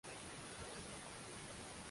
ikweta siku ya tatu na kufunika kabla ya